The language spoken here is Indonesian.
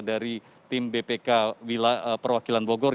dari tim bpk perwakilan bogor